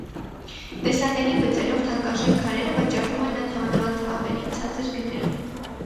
Տեսանելի բծերով թանկարժեք քարերը վաճառվում են անհամեմատ ավելի ցածր գներով։